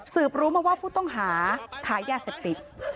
รู้มาว่าผู้ต้องหาขายยาเสพติด